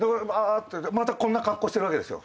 またこんな格好してるわけですよ